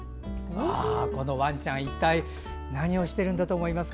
ワンちゃん、一体何をしてるんだと思いますか？